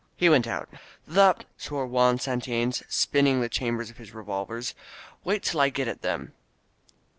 He went out. "The !" swore Juan SantiUanes, spinning the chambers of his revolver. "Wait till I get at them